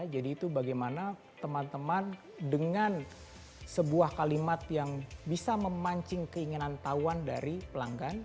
jadi itu bagaimana teman teman dengan sebuah kalimat yang bisa memancing keinginan tawan dari pelanggan